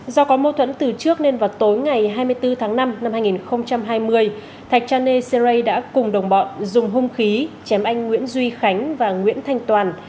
do có mâu thuẫn từ trước nên vào tối ngày hai mươi bốn tháng năm năm hai nghìn hai mươi thạch chane sere đã cùng đồng bọn dùng hung khí chém anh nguyễn duy khánh và nguyễn thanh toàn